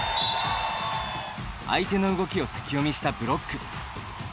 相手の動きを先読みしたブロック。